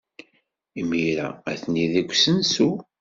Imir-a, atni deg usensu.